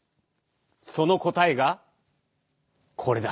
その答えがこれだ。